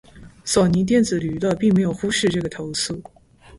索尼电脑娱乐并没有忽略这个投诉。